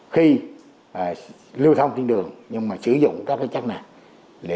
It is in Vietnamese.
khi lưu thông trên đường nhưng sử dụng các chất nạn